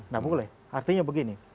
nggak boleh artinya begini